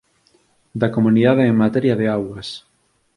Da comunidade en materia de augas